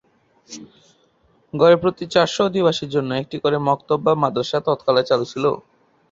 গড়ে প্রতি চারশ অধিবাসীর জন্য একটি করে মকতব বা মাদ্রাসা তৎকালে চালু ছিল।